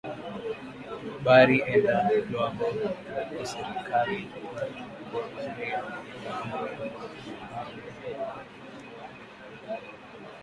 Bari enda lwabo ku serkali ku angariya mambo ya ma mpango